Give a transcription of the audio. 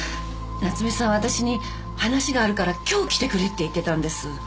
夏目さんはわたしに話があるから今日来てくれって言ってたんです。